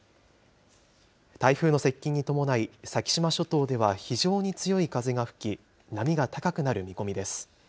台風の接近に伴い、先島諸島では非常に強い風が吹き、波が高くなる見込みです。